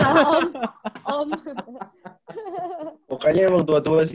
pokoknya emang tua tua sih